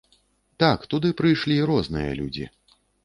Так, туды прыйшлі розныя людзі.